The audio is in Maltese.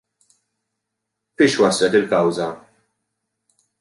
Fiex waslet il-kawża?